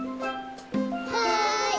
はい。